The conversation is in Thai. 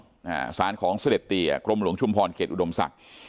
สารของเสด็จเตียกรมหลวงชุมพรเขตอุดมศักดิ์